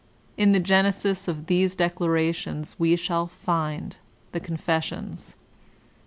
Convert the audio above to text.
In the genesis of these declarations we shall find the "Con fessions."